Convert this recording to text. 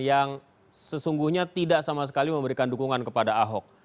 yang sesungguhnya tidak sama sekali memberikan dukungan kepada ahok